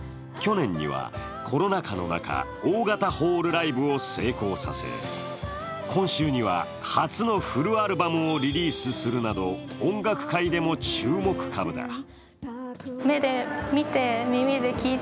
去年には、コロナ禍の中大型ホールライブを成功させ、今週には初のフルアルバムをリリースするなど音楽界でも注目株だ。